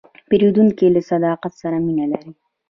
پیرودونکی له صداقت سره مینه لري.